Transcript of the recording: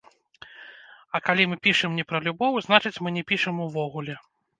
А калі мы пішам не пра любоў, значыць, мы не пішам увогуле.